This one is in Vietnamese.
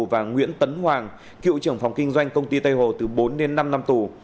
và nguyễn tấn hoàng cựu trưởng phòng kinh doanh công ty tây hồ từ bốn đến năm năm tù